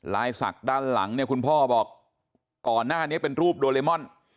ศักดิ์ด้านหลังเนี่ยคุณพ่อบอกก่อนหน้านี้เป็นรูปโดเรมอน